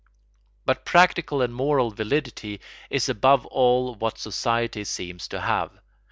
But practical and moral validity is above all what society seems to have.